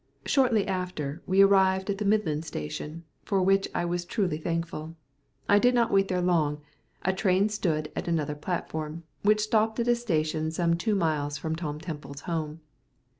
Shortly after we arrived at the Midland station, for which I was truly thankful. I did not wait there long; a train stood at another platform, which stopped at a station some two miles from Tom Temple's home.